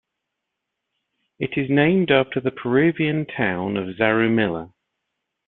It is named after the Peruvian town of Zarumilla.